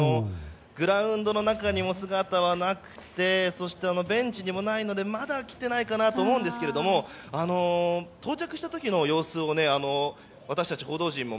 グラウンドの中にも姿はなくてそしてベンチにもないのでまだ来ていないと思いますが到着した時の様子を私たち、報道陣も